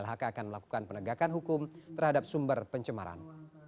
lhk akan melakukan penegakan hukum terhadap sumber pencemaran